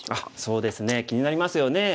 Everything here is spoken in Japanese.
そうですね気になりますよね。